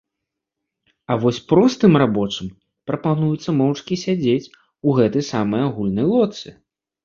А вось простым рабочым прапануецца моўчкі сядзець у гэтай самай агульнай лодцы.